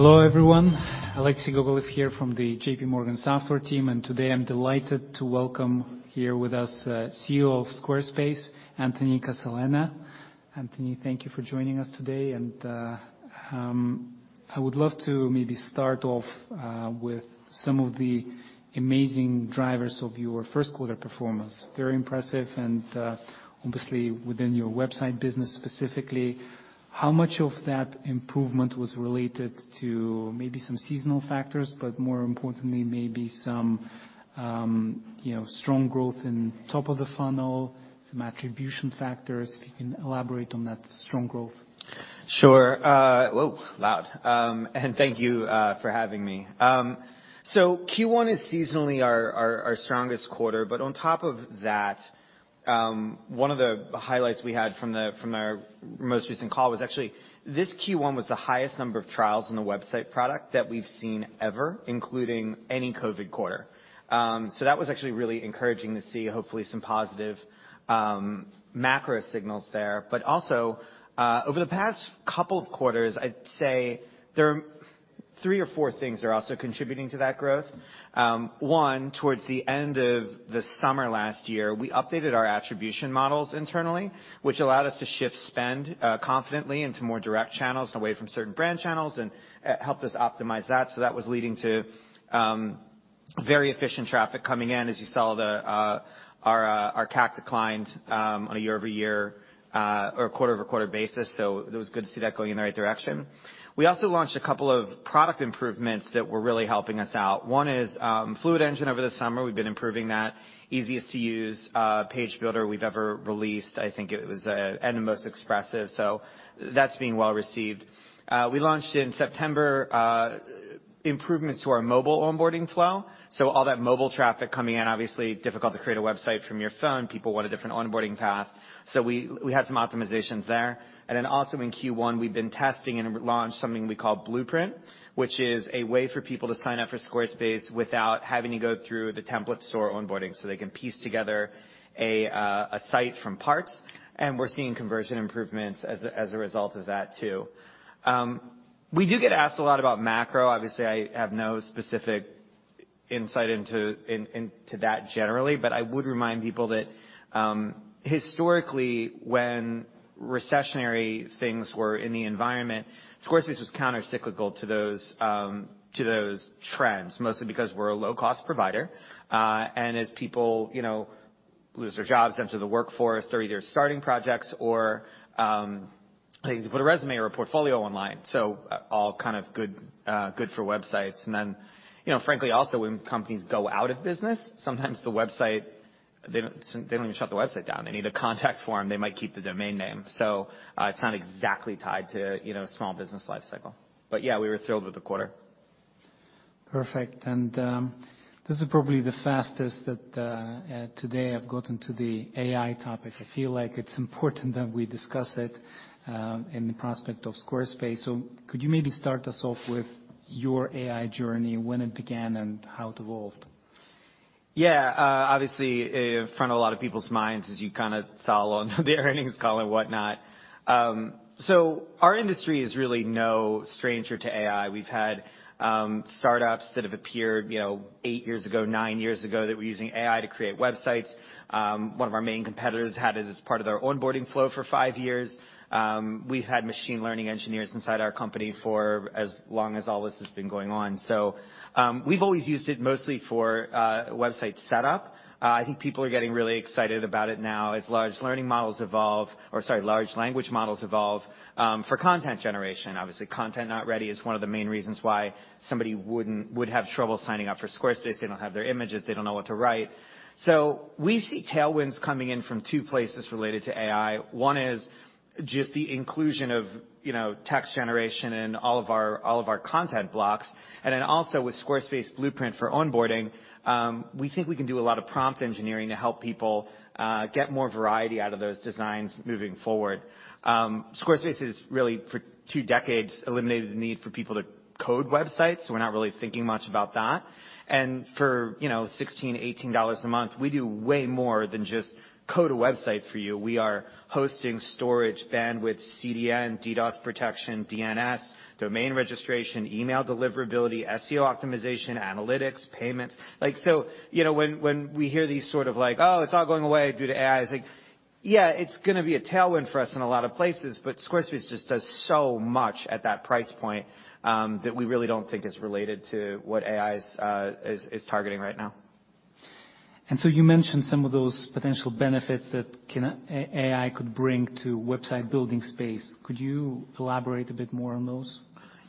Hello everyone. Alexei Gogolev here from the J.P. Morgan software team. Today I'm delighted to welcome here with us, CEO of Squarespace, Anthony Casalena. Anthony, thank you for joining us today. I would love to maybe start off with some of the amazing drivers of your first quarter performance. Very impressive and obviously within your website business specifically, how much of that improvement was related to maybe some seasonal factors, but more importantly, maybe some, you know, strong growth in top of the funnel, some attribution factors, if you can elaborate on that strong growth? Sure. Whoa, loud. Thank you for having me. Q1 is seasonally our strongest quarter. On top of that, one of the highlights we had from our most recent call was actually this Q1 was the highest number of trials in the website product that we've seen ever, including any COVID quarter. That was actually really encouraging to see. Hopefully some positive macro signals there. Also, over the past couple of quarters, I'd say there are three or four things that are also contributing to that growth. One, towards the end of the summer last year, we updated our attribution models internally, which allowed us to shift spend confidently into more direct channels and away from certain brand channels, and helped us optimize that. That was leading to very efficient traffic coming in. As you saw the our CAC declined on a year-over-year or quarter-over-quarter basis. It was good to see that going in the right direction. We also launched a couple of product improvements that were really helping us out. One is Fluid Engine. Over the summer, we've been improving that. Easiest to use page builder we've ever released. I think it was and the most expressive, so that's being well received. We launched in September improvements to our mobile onboarding flow. All that mobile traffic coming in, obviously difficult to create a website from your phone. People want a different onboarding path, so we had some optimizations there. Also in Q1, we've been testing and launched something we call Blueprint, which is a way for people to sign up for Squarespace without having to go through the template store onboarding, so they can piece together a site from parts. We're seeing conversion improvements as a result of that too. We do get asked a lot about macro. Obviously, I have no specific insight into that generally, but I would remind people that historically, when recessionary things were in the environment, Squarespace was countercyclical to those trends, mostly because we're a low-cost provider. As people, you know, lose their jobs, enter the workforce, they're either starting projects or they put a resume or a portfolio online. All kind of good for websites. You know, frankly also, when companies go out of business, sometimes the website, they don't they don't even shut the website down. They need a contact form. They might keep the domain name. It's not exactly tied to, you know, small business lifecycle. Yeah, we were thrilled with the quarter. Perfect. This is probably the fastest that today I've gotten to the AI topic. I feel like it's important that we discuss it in the prospect of Squarespace. Could you maybe start us off with your AI journey, when it began and how it evolved? Yeah. Obviously in front of a lot of people's minds, as you kinda saw on the earnings call and whatnot. Our industry is really no stranger to AI. We've had startups that have appeared, you know, eight years ago, nine years ago, that were using AI to create websites. One of our main competitors had it as part of their onboarding flow for five years. We've had machine learning engineers inside our company for as long as all this has been going on. We've always used it mostly for website setup. I think people are getting really excited about it now as large learning models evolve or, sorry, large language models evolve for content generation. Obviously, content not ready is one of the main reasons why somebody would have trouble signing up for Squarespace. They don't have their images. They don't know what to write. We see tailwinds coming in from two places related to AI. One is just the inclusion of, you know, text generation in all of our, all of our content blocks. Then also with Squarespace Blueprint for onboarding, we think we can do a lot of prompt engineering to help people get more variety out of those designs moving forward. Squarespace has really for two decades eliminated the need for people to code websites, so we're not really thinking much about that. For, you know, $16-$18 a month, we do way more than just code a website for you. We are hosting storage, bandwidth, CDN, DDoS protection, DNS, domain registration, email deliverability, SEO optimization, analytics, payments. You know, when we hear these sort of like, "Oh, it's all going away due to AI," it's like, yeah, it's gonna be a tailwind for us in a lot of places, but Squarespace just does so much at that price point that we really don't think is related to what AI is targeting right now. You mentioned some of those potential benefits that AI could bring to website building space. Could you elaborate a bit more on those?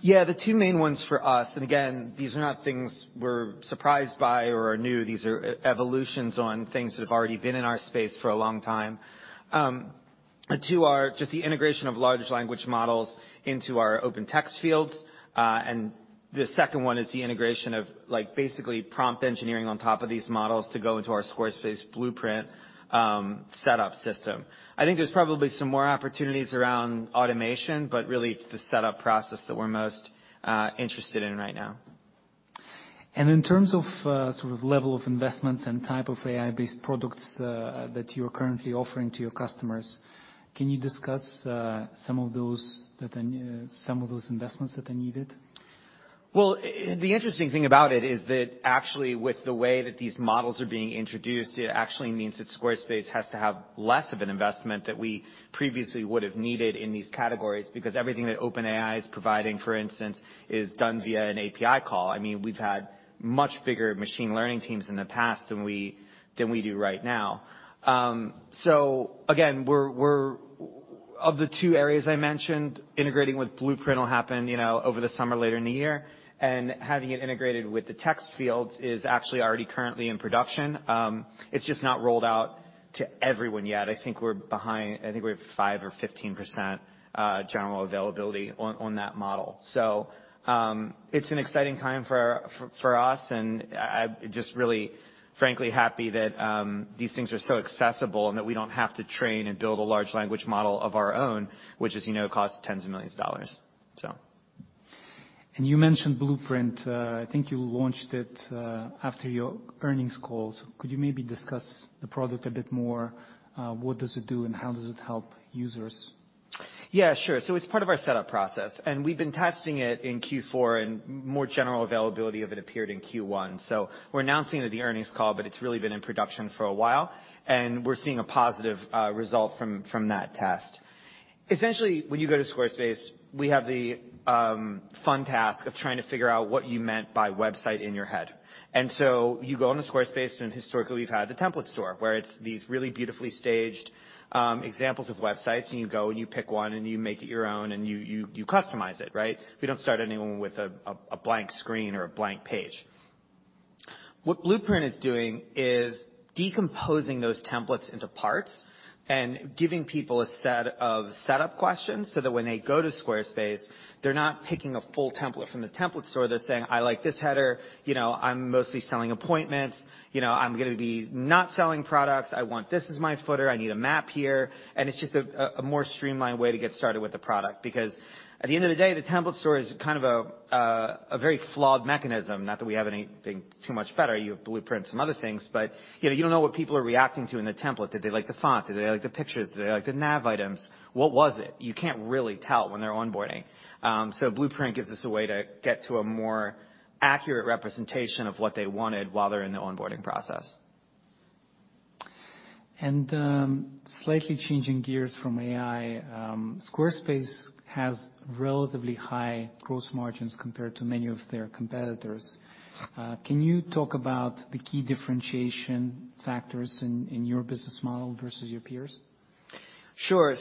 Yeah. The two main ones for us, again, these are not things we're surprised by or are new. These are evolutions on things that have already been in our space for a long time. The two are just the integration of large language models into our open text fields. The second one is the integration of like, basically prompt engineering on top of these models to go into our Squarespace Blueprint setup system. I think there's probably some more opportunities around automation, really it's the setup process that we're most interested in right now. In terms of, sort of level of investments and type of AI-based products, that you're currently offering to your customers, can you discuss, some of those investments that are needed? Well, the interesting thing about it is that actually with the way that these models are being introduced, it actually means that Squarespace has to have less of an investment that we previously would have needed in these categories because everything that OpenAI is providing, for instance, is done via an API call. I mean, we've had much bigger machine learning teams in the past than we do right now. Again, we're... Of the two areas I mentioned, integrating with Blueprint will happen, you know, over the summer, later in the year, and having it integrated with the text fields is actually already currently in production. It's just not rolled out to everyone yet. I think we're behind. I think we have 5% or 15% general availability on that model. It's an exciting time for us and I'm just really frankly happy that these things are so accessible and that we don't have to train and build a large language model of our own, which, as you know, costs tens of millions of dollars. You mentioned Blueprint. I think you launched it after your earnings calls. Could you maybe discuss the product a bit more? What does it do and how does it help users? Yeah, sure. It's part of our setup process, we've been testing it in Q4, more general availability of it appeared in Q1. We're announcing it at the earnings call, it's really been in production for a while, we're seeing a positive result from that test. Essentially, when you go to Squarespace, we have the fun task of trying to figure out what you meant by website in your head. You go into Squarespace, historically we've had the template store, where it's these really beautifully staged examples of websites, you go and you pick one and you make it your own and you customize it, right? We don't start anyone with a blank screen or a blank page. What Blueprint is doing is decomposing those templates into parts and giving people a set of setup questions so that when they go to Squarespace, they're not picking a full template from the template store. They're saying, "I like this header," you know, "I'm mostly selling appointments," you know, "I'm gonna be not selling products. I want this as my footer. I need a map here." It's just a more streamlined way to get started with the product. At the end of the day, the template store is kind of a very flawed mechanism. Not that we have anything too much better. You have Blueprint and some other things, you know, you don't know what people are reacting to in the template. Did they like the font? Did they like the pictures? Did they like the nav items? What was it? You can't really tell when they're onboarding. Blueprint gives us a way to get to a more accurate representation of what they wanted while they're in the onboarding process. Slightly changing gears from AI, Squarespace has relatively high gross margins compared to many of their competitors. Can you talk about the key differentiation factors in your business model versus your peers? Sure.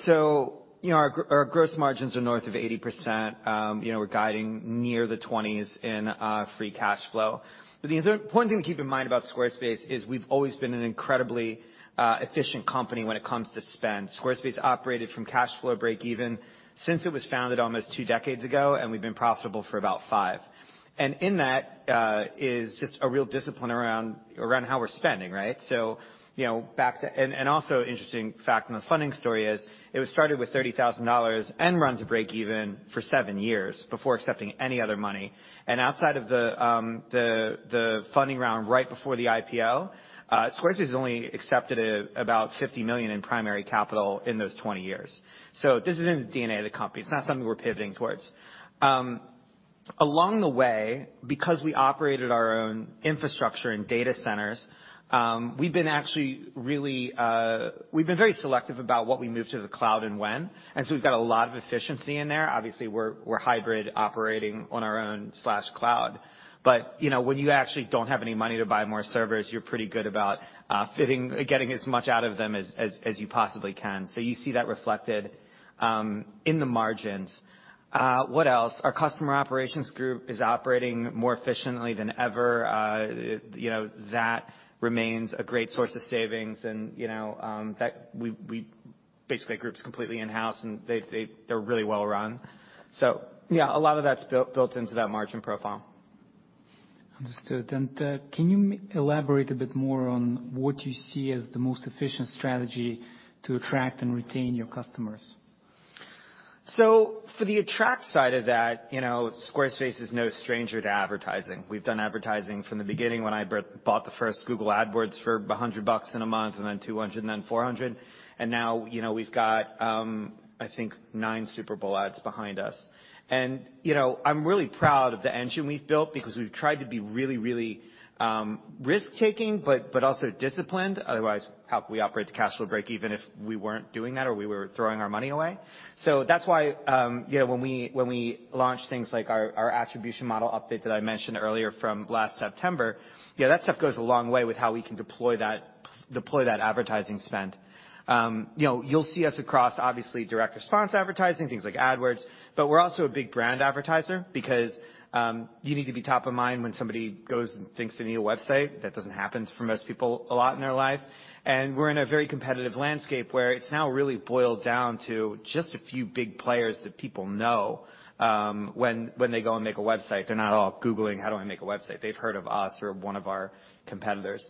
You know, our gross margins are north of 80%. You know, we're guiding near the 20s% in free cash flow. The other important thing to keep in mind about Squarespace is we've always been an incredibly efficient company when it comes to spend. Squarespace operated from cash flow break even since it was founded almost two decades ago, and we've been profitable for about five. In that is just a real discipline around how we're spending, right? You know, also interesting fact from the funding story is it was started with $30,000 and run to break even for seven years before accepting any other money. Outside of the funding round right before the IPO, Squarespace has only accepted about $50 million in primary capital in those 20 years. This is in the DNA of the company. It's not something we're pivoting towards. Along the way, because we operated our own infrastructure and data centers, we've been actually very selective about what we move to the cloud and when, and so we've got a lot of efficiency in there. Obviously, we're hybrid operating on our own slash cloud, but, you know, when you actually don't have any money to buy more servers, you're pretty good about getting as much out of them as you possibly can. You see that reflected in the margins. What else? Our customer operations group is operating more efficiently than ever. You know, that remains a great source of savings and, you know, Basically, that group's completely in-house, and they're really well run. Yeah, a lot of that's built into that margin profile. Understood. Can you elaborate a bit more on what you see as the most efficient strategy to attract and retain your customers? For the attract side of that, you know, Squarespace is no stranger to advertising. We've done advertising from the beginning when I bought the first Google AdWords for $100 in a month, and then $200 and then $400, and now, you know, we've got, I think Nine Super Bowl ads behind us. You know, I'm really proud of the engine we've built because we've tried to be really, really risk-taking, but also disciplined. Otherwise, how can we operate the cash flow break even if we weren't doing that or we were throwing our money away? That's why, you know, when we, when we launch things like our attribution model update that I mentioned earlier from last September, yeah, that stuff goes a long way with how we can deploy that, deploy that advertising spend. You know, you'll see us across obviously direct response advertising, things like AdWords, but we're also a big brand advertiser because you need to be top of mind when somebody goes and thinks they need a website. That doesn't happen for most people a lot in their life. We're in a very competitive landscape where it's now really boiled down to just a few big players that people know when they go and make a website. They're not all googling, "How do I make a website?" They've heard of us or one of our competitors.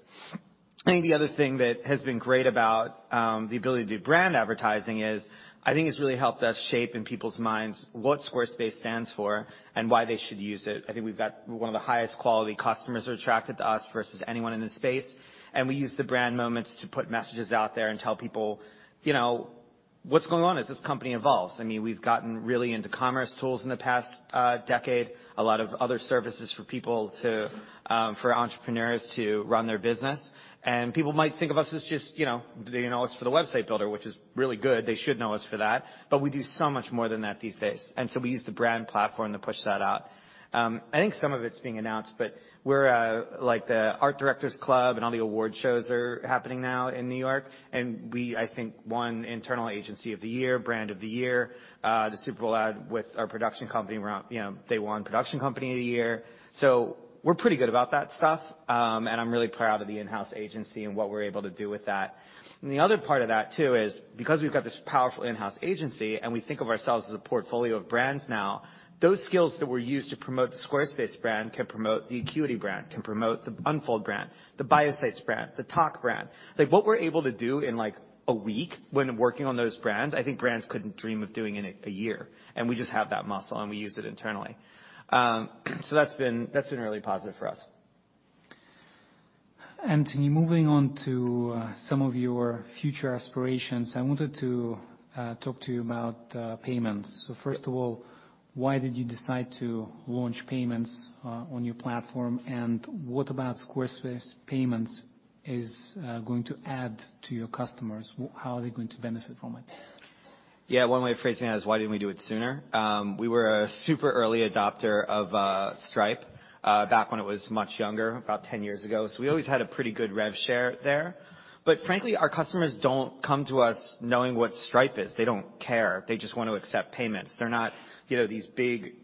I think the other thing that has been great about the ability to do brand advertising is I think it's really helped us shape in people's minds what Squarespace stands for and why they should use it. I think we've got one of the highest quality customers who are attracted to us versus anyone in the space. We use the brand moments to put messages out there and tell people, you know, what's going on as this company evolves. I mean, we've gotten really into commerce tools in the past decade. A lot of other services for people to for entrepreneurs to run their business. People might think of us as just, you know, they know us for the website builder, which is really good. They should know us for that. We do so much more than that these days. We use the brand platform to push that out. I think some of it's being announced, but the Art Directors Club and all the award shows are happening now in New York, and we won In-House Agency of the Year, Brand of the Year, the Super Bowl Ad with our production company around, they won Production Company of the Year. We're pretty good about that stuff, and I'm really proud of the in-house agency and what we're able to do with that. The other part of that, too, is because we've got this powerful in-house agency, and we think of ourselves as a portfolio of brands now, those skills that were used to promote the Squarespace brand can promote the Acuity brand, can promote the Unfold brand, the Bio Sites brand, the Tock brand. Like, what we're able to do in, like, a week when working on those brands, I think brands couldn't dream of doing it in a year. We just have that muscle, and we use it internally. That's been really positive for us. Anthony, moving on to some of your future aspirations. I wanted to talk to you about payments. First of all, why did you decide to launch payments on your platform? What about Squarespace Payments is going to add to your customers? How are they going to benefit from it? Yeah. One way of phrasing that is, why didn't we do it sooner? We were a super early adopter of Stripe back when it was much younger, about 10 years ago, we always had a pretty good rev share there. Frankly, our customers don't come to us knowing what Stripe is. They don't care. They just want to accept payments. They're not, you know, these big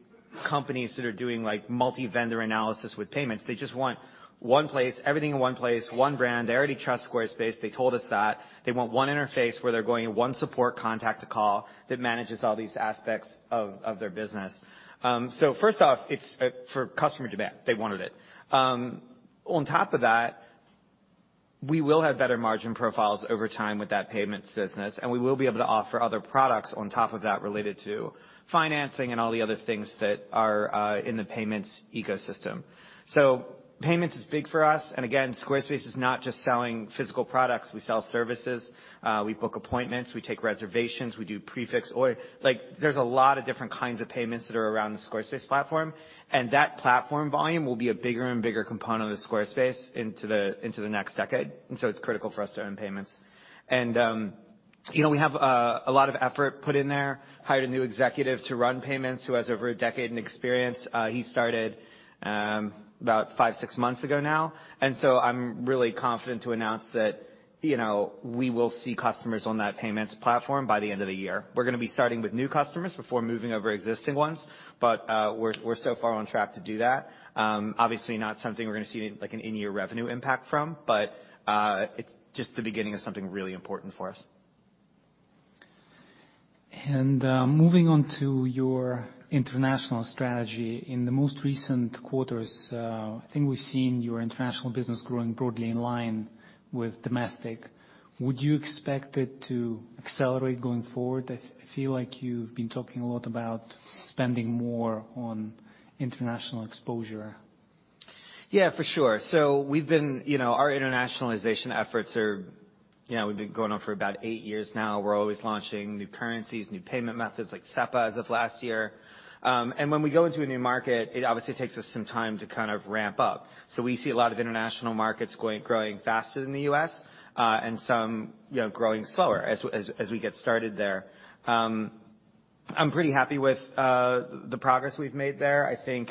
companies that are doing, like, multi-vendor analysis with payments. They just want one place, everything in one place, one brand. They already trust Squarespace. They told us that. They want one interface where they're going in one support contact to call that manages all these aspects of their business. First off, it's for customer demand. They wanted it. On top of that, we will have better margin profiles over time with that payments business, and we will be able to offer other products on top of that related to financing and all the other things that are in the payments ecosystem. Payments is big for us. Again, Squarespace is not just selling physical products. We sell services, we book appointments, we take reservations, we do pre-order. Like, there's a lot of different kinds of payments that are around the Squarespace platform. That platform volume will be a bigger and bigger component of Squarespace into the next decade. It's critical for us to own payments. You know, we have a lot of effort put in there. Hired a new executive to run payments who has over a decade in experience. He started about five, six months ago now. I'm really confident to announce that, you know, we will see customers on that payments platform by the end of the year. We're gonna be starting with new customers before moving over existing ones, but we're so far on track to do that. Obviously not something we're gonna see, like, an in-year revenue impact from, but it's just the beginning of something really important for us. Moving on to your international strategy. In the most recent quarters, I think we've seen your international business growing broadly in line with domestic. Would you expect it to accelerate going forward? I feel like you've been talking a lot about spending more on international exposure. For sure. You know, we've been going on for about eight years now. We're always launching new currencies, new payment methods like SEPA as of last year. When we go into a new market, it obviously takes us some time to kind of ramp up. We see a lot of international markets growing faster than the U.S., and some, you know, growing slower as we get started there. I'm pretty happy with the progress we've made there. I think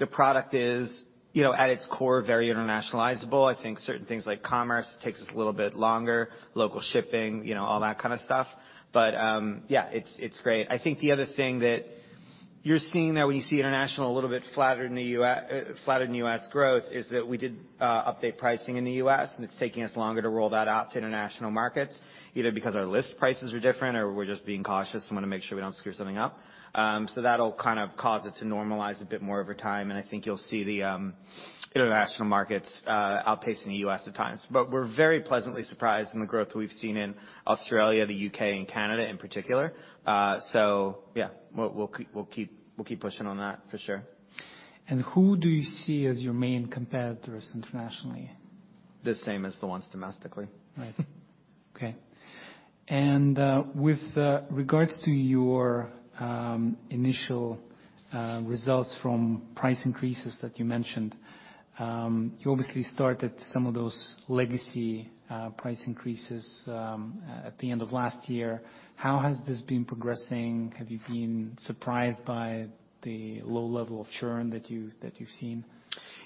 the product is, you know, at its core, very internationalizable. I think certain things like commerce takes us a little bit longer, local shipping, you know, all that kind of stuff. It's, it's great. I think the other thing that you're seeing there when you see international a little bit flatter than the US growth is that we did update pricing in the U.S., and it's taking us longer to roll that out to international markets, either because our list prices are different or we're just being cautious and wanna make sure we don't screw something up. That'll kind of cause it to normalize a bit more over time, and I think you'll see the international markets outpacing the U.S. at times. We're very pleasantly surprised in the growth we've seen in Australia, the U.K., and Canada in particular. Yeah, we'll keep pushing on that for sure. Who do you see as your main competitors internationally? The same as the ones domestically. Right. Okay. With regards to your initial results from price increases that you mentioned, you obviously started some of those legacy price increases at the end of last year. How has this been progressing? Have you been surprised by the low level of churn that you've seen?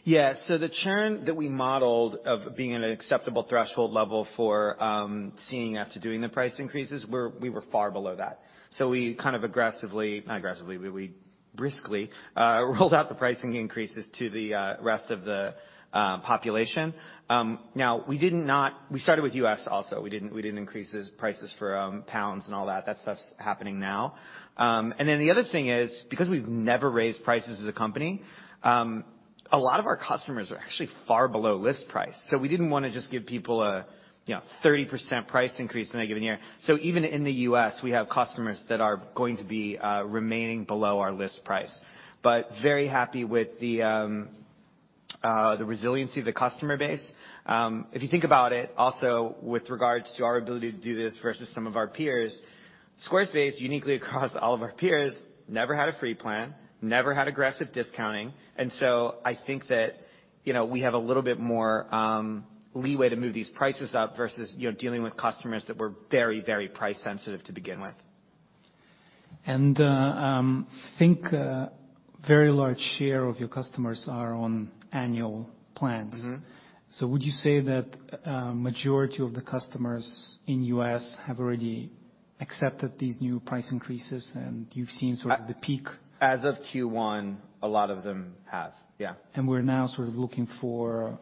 Yeah. The churn that we modeled of being at an acceptable threshold level for seeing after doing the price increases, we were far below that. We kind of not aggressively, we briskly rolled out the pricing increases to the rest of the population. Now we started with U.S. also. We didn't increase prices for pounds and all that. That stuff's happening now. The other thing is, because we've never raised prices as a company, a lot of our customers are actually far below list price, so we didn't wanna just give people a, you know, 30% price increase in a given year. Even in the U.S., we have customers that are going to be remaining below our list price. But very happy with the resiliency of the customer base. If you think about it also with regards to our ability to do this versus some of our peers, Squarespace uniquely across all of our peers, never had a free plan, never had aggressive discounting. I think that, you know, we have a little bit more leeway to move these prices up versus, you know, dealing with customers that were very, very price sensitive to begin with. Think a very large share of your customers are on annual plans. Mm-hmm. Would you say that, majority of the customers in U.S. have already accepted these new price increases, and you've seen sort of the peak? As of Q1, a lot of them have. Yeah. We're now sort of looking for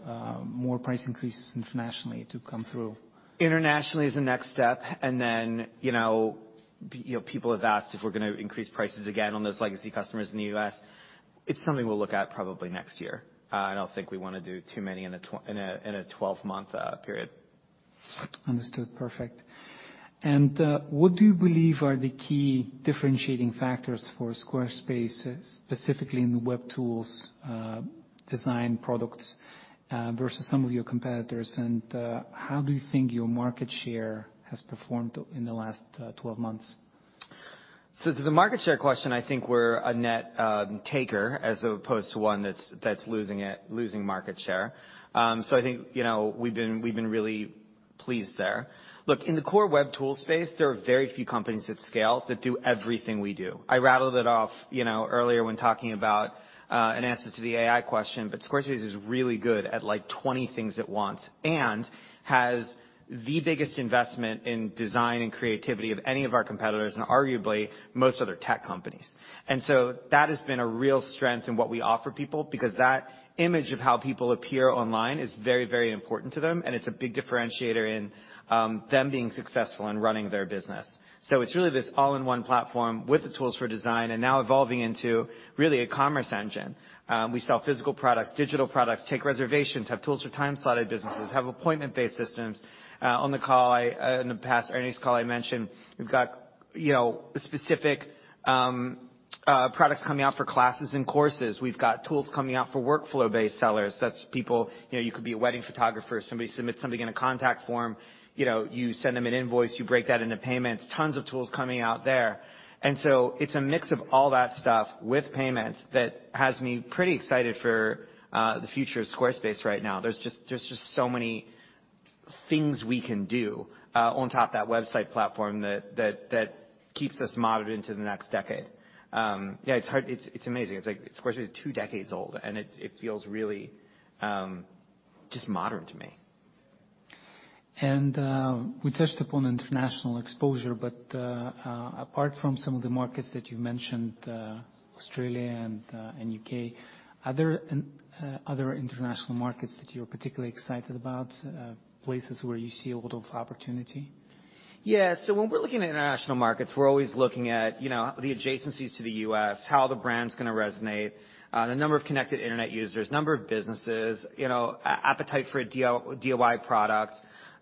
more price increases internationally to come through. Internationally is the next step. You know, people have asked if we're gonna increase prices again on those legacy customers in the U.S. It's something we'll look at probably next year. I don't think we wanna do too many in a 12-month period. Understood. Perfect. What do you believe are the key differentiating factors for Squarespace, specifically in the web tools, design products, versus some of your competitors? How do you think your market share has performed in the last 12 months? To the market share question, I think we're a net taker as opposed to one that's losing it, losing market share. I think, you know, we've been really pleased there. Look, in the core web tool space, there are very few companies that scale that do everything we do. I rattled it off, you know, earlier when talking about an answer to the AI question, Squarespace is really good at, like, 20 things at once and has the biggest investment in design and creativity of any of our competitors and arguably most other tech companies. That has been a real strength in what we offer people because that image of how people appear online is very, very important to them, and it's a big differentiator in them being successful in running their business. It's really this all-in-one platform with the tools for design and now evolving into really a commerce engine. We sell physical products, digital products, take reservations, have tools for time-slotted businesses, have appointment-based systems. On the call I, in the past, earnings call I mentioned, we've got, you know, specific products coming out for classes and courses. We've got tools coming out for workflow-based sellers. That's people, you know, you could be a wedding photographer. Somebody submits something in a contact form, you know, you send them an invoice, you break that into payments. Tons of tools coming out there. It's a mix of all that stuff with payments that has me pretty excited for the future of Squarespace right now. There's just so many things we can do on top of that website platform that keeps us modern into the next decade. It's amazing. It's like Squarespace is two decades old, and it feels really just modern to me. We touched upon international exposure, but, apart from some of the markets that you've mentioned, Australia and U.K., are there other international markets that you're particularly excited about, places where you see a lot of opportunity? Yeah. When we're looking at international markets, we're always looking at, you know, the adjacencies to the U.S., how the brand's gonna resonate, the number of connected internet users, number of businesses, you know, appetite for a DIY product.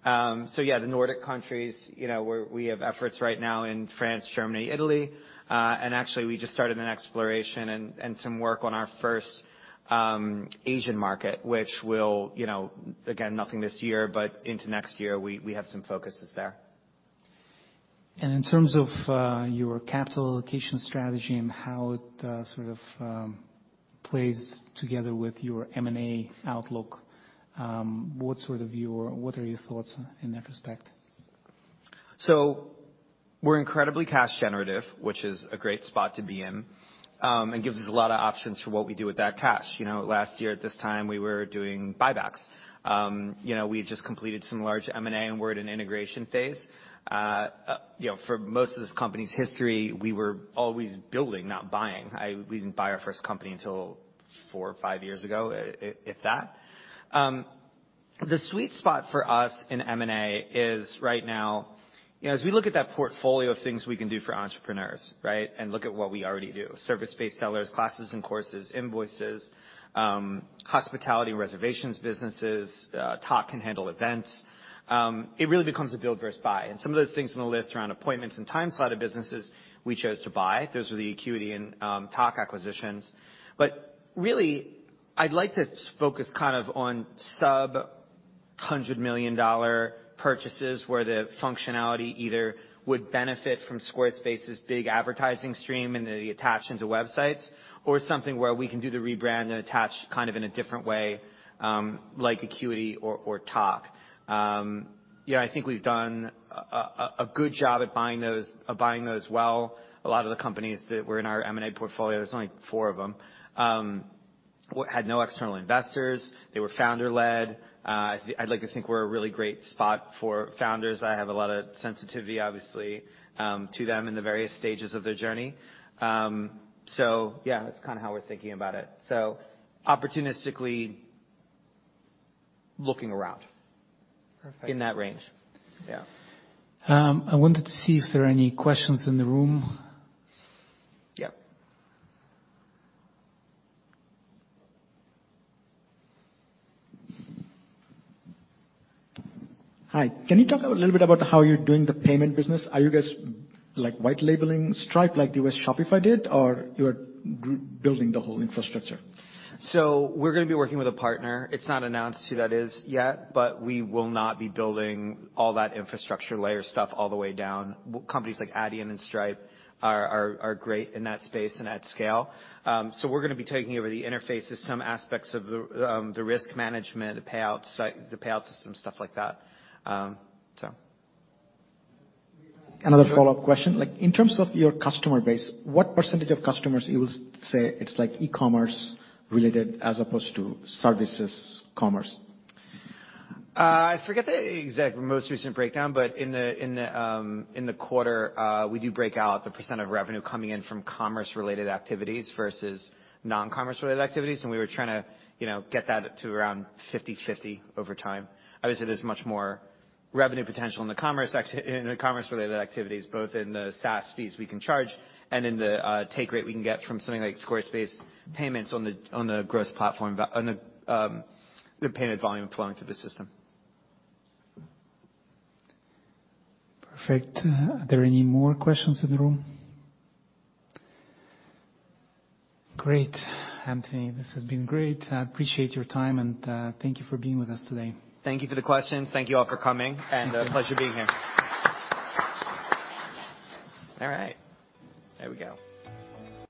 Yeah, the Nordic countries, you know, we have efforts right now in France, Germany, Italy. Actually we just started an exploration and some work on our first Asian market, which will, you know, again, nothing this year, but into next year we have some focuses there. In terms of your capital allocation strategy and how it sort of plays together with your M&A outlook, what are your thoughts in that respect? We're incredibly cash generative, which is a great spot to be in, and gives us a lot of options for what we do with that cash. You know, last year at this time we were doing buybacks. You know, we had just completed some large M&A, and we're at an integration phase. You know, for most of this company's history, we were always building, not buying. We didn't buy our first company until four or five years ago, if that. The sweet spot for us in M&A is right now... You know, as we look at that portfolio of things we can do for entrepreneurs, right? Look at what we already do, service-based sellers, classes and courses, invoices, hospitality and reservations businesses, Tock can handle events, it really becomes a build versus buy. Some of those things on the list around appointments and time-slotted businesses, we chose to buy. Those were the Acuity and Tock acquisitions. Really, I'd like to focus kind of on sub-$100 million purchases where the functionality either would benefit from Squarespace's big advertising stream and the attachments of websites or something where we can do the rebrand and attach kind of in a different way, like Acuity or Tock. Yeah, I think we've done a good job at buying those well. A lot of the companies that were in our M&A portfolio, there's only four of them, had no external investors. They were founder-led. I'd like to think we're a really great spot for founders. I have a lot of sensitivity, obviously, to them in the various stages of their journey. Yeah, that's kinda how we're thinking about it. Opportunistically looking around. Perfect. In that range. Yeah. I wanted to see if there are any questions in the room. Yeah. Hi. Can you talk a little bit about how you're doing the payment business? Are you guys, like, white labeling Stripe like the way Shopify did, or you're building the whole infrastructure? We're gonna be working with a partner. It's not announced who that is yet, we will not be building all that infrastructure layer stuff all the way down. Companies like Adyen and Stripe are great in that space and at scale. We're gonna be taking over the interfaces, some aspects of the risk management, the payout site, the payout system, stuff like that. Another follow-up question. Like, in terms of your customer base, what percentage of customers you will say it's, like, e-commerce related as opposed to services commerce? I forget the exact most recent breakdown, but in the, in the, in the quarter, we do break out the percent of revenue coming in from commerce-related activities versus non-commerce-related activities, and we were trying to, you know, get that to around 50/50 over time. Obviously, there's much more revenue potential in the commerce-related activities, both in the SaaS fees we can charge and in the take rate we can get from something like Squarespace Payments on the, on the gross platform, on the payment volume flowing through the system. Perfect. Are there any more questions in the room? Great. Anthony, this has been great. I appreciate your time, and thank you for being with us today. Thank you for the questions. Thank you all for coming, and a pleasure being here. All right. There we go.